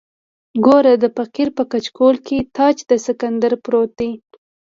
ګوره د فقیر په کچکول کې تاج د سکندر پروت دی.